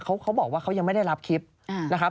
เขาบอกว่าเขายังไม่ได้รับคลิปนะครับ